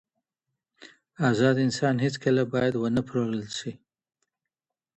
ازاد انسان هيڅکله بايد ونه پلورل سي.